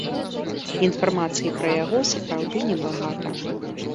Інфармацыі пра яго сапраўды небагата.